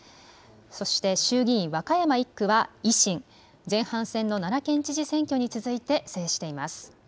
そして衆議院和歌山１区は維新、前半戦の奈良県知事選挙に続いて制しています。